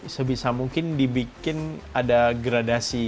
sebisa mungkin dibikin ada gradasi